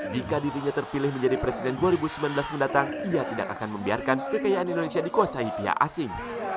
jika dirinya terpilih menjadi presiden dua ribu sembilan belas mendatang ia tidak akan membiarkan kekayaan indonesia dikuasai pihak asing